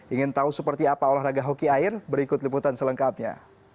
ingin tahu seperti apa olahraga hoki air berikut liputan selengkapnya